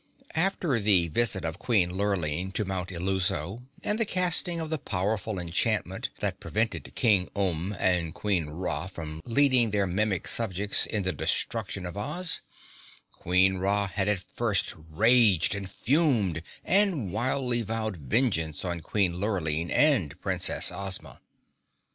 After the visit of Queen Lurline to Mount Illuso and the casting of the powerful enchantment that prevented King Umb and Queen Ra from leading their Mimic subjects in the destruction of Oz, Queen Ra had at first raged and fumed and wildly vowed vengeance on Queen Lurline and Princess Ozma.